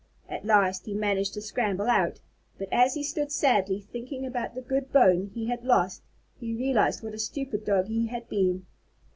At last he managed to scramble out, and as he stood sadly thinking about the good bone he had lost, he realized what a stupid Dog he had been.